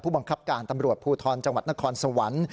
พบการตำรวจภูทรจนครสวรรค์